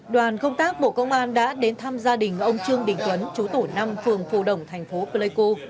đoàn công tác bộ công an đã đến thăm gia đình ông trương đình tuấn chú tổ năm phường phù đồng thành phố pleiku